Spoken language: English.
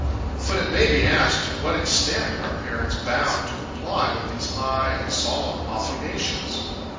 But it may be asked, to what extent are parents bound to comply with these high and solemn obligations?